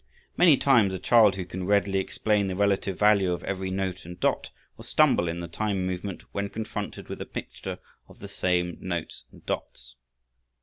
Many times a child who can readily explain the relative value of every note and dot will stumble in the time movement when confronted with a mixture of the same notes and dots.